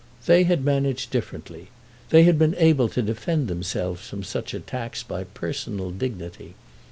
They had managed differently. They had been able to defend themselves from such attacks by personal dignity.